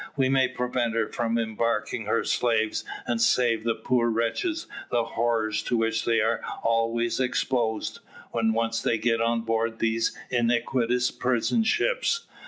"We may prevent her from embarking her slaves, and save the poor wretches the horrors to which they are always exposed, when once they get on board these iniquitous prison ships.